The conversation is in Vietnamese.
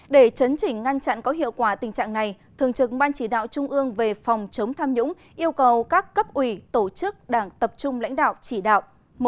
để chấn chỉnh ngăn chặn có hiệu quả tình trạng này thường trực ban chỉ đạo trung ương về phòng chống tham nhũng yêu cầu các cấp ủy tổ chức đảng tập trung lãnh đạo chỉ đạo